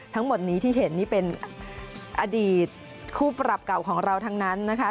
ทั้งหมดนี้ที่เห็นนี่เป็นอดีตคู่ปรับเก่าของเราทั้งนั้นนะคะ